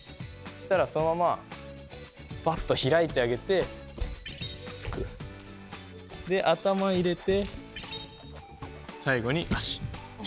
そしたらそのままバッと開いてあげてつく。であたま入れて最後に足。